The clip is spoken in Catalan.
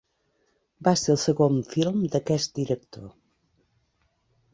Va ser el segon film d’aquest director.